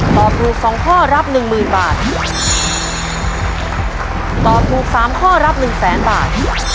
ตอบถูกสองข้อรับหนึ่งหมื่นบาทตอบถูกสามข้อรับหนึ่งแสนบาท